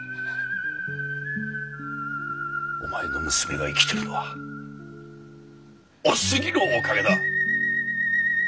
お前の娘が生きてるのはお杉のおかげだ。